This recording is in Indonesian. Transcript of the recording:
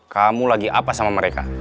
kamu lagi apa sama mereka